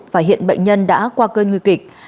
và hiện bệnh nhân đã qua cơn nguy kịch